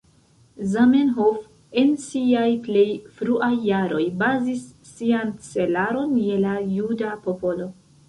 Zamenhof, en siaj plej fruaj jaroj, bazis sian celaron je la juda popolo.